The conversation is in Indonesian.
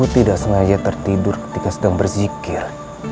tidak sengaja saya tertidur ketika saya sedang berzikir